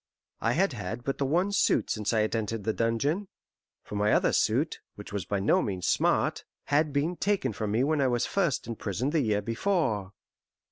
I had had but the one suit since I entered the dungeon, for my other suit, which was by no means smart, had been taken from me when I was first imprisoned the year before.